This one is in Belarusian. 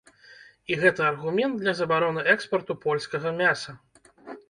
І гэта аргумент для забароны экспарту польскага мяса.